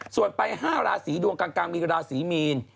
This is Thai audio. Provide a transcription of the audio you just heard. ส่วนไป๕ราศีดวงกลางมีราศีมีน